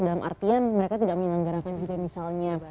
dalam artian mereka tidak menyelenggarakan juga misalnya